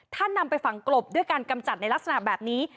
ถ้านำไปฝังกลบด้วยการกำจัดในลักษณะแบบนี้